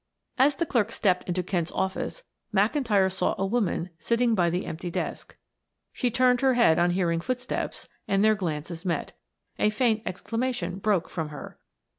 As the clerk stepped into Kent's office McIntyre saw a woman sitting by the empty desk. She turned her head on hearing footsteps and their glances met. A faint exclamation broke from her.